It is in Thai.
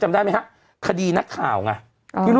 กรมป้องกันแล้วก็บรรเทาสาธารณภัยนะคะ